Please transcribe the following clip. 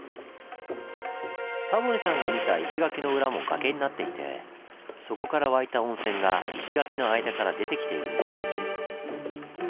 タモリさんが見た石垣の裏も崖になっていてそこから湧いた温泉が石垣の間から出てきているんです。